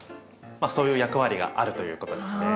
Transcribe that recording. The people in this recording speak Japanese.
そういう役割があるということですね。